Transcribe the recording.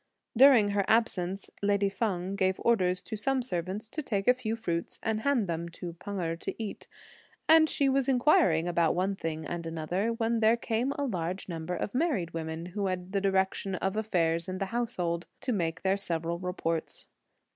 During her absence, lady Feng gave orders to some servants to take a few fruits and hand them to Pan Erh to eat; and she was inquiring about one thing and another, when there came a large number of married women, who had the direction of affairs in the household, to make their several reports.